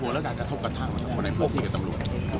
เป็นหัวแล้วก็อาจจะทบกันทางกับคนในพวกนี้กับตำรวจ